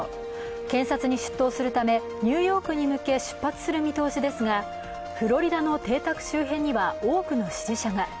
検察に出頭するため、ニューヨークに向け出発する見通しですが、フロリダの邸宅周辺には多くの支持者が。